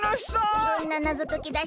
いろんななぞとき脱出